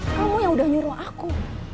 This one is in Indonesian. kamu yang udah nyuruh aku